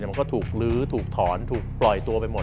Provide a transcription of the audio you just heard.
มันก็ถูกลื้อถูกถอนถูกปล่อยตัวไปหมด